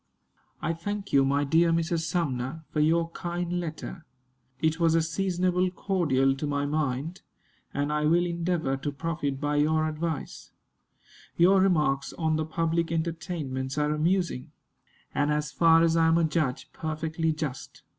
I thank you, my dear Mrs. Sumner, for your kind letter. It was a seasonable cordial to my mind, and I will endeavor to profit by your advice. Your remarks on the public entertainments are amusing, and, as far as I am a judge, perfectly just.